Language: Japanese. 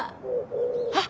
あっ。